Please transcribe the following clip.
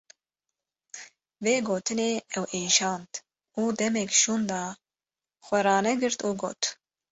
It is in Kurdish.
Vê gotinê ew êşand û demek şûnda xwe ranegirt û got: